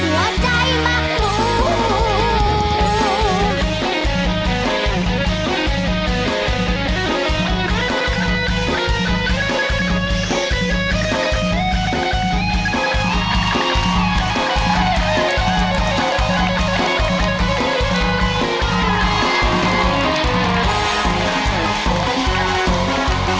หัวใจมากรู้